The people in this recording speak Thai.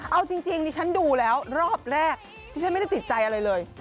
เอาจริงดิฉันดูแล้วรอบแรกที่ฉันไม่ได้ติดใจอะไรเลย